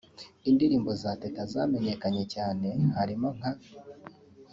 Indirimbo za Teta zamenyekanye cyane harimo nka